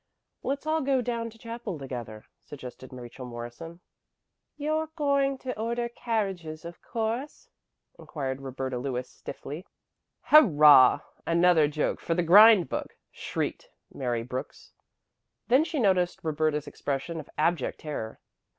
"Let's all go down to chapel together," suggested Rachel Morrison. "You're going to order carriages, of course?" inquired Roberta Lewis stiffly. "Hurrah! Another joke for the grind book," shrieked Mary Brooks. Then she noticed Roberta's expression of abject terror.